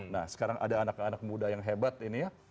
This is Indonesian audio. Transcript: nah sekarang ada anak anak muda yang hebat ini ya